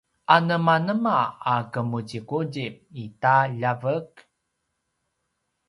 anemanema a qemuziquzip i ta ljavek?